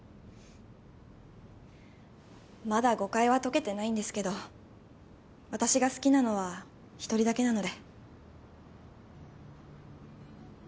まだ誤解は解けてないんですけど私が好きなのは１人だけなので。